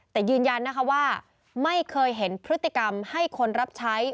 แต่ยืนยันนะคะว่าไม่เคยเห็นพฤติกรรมให้คนรับใช้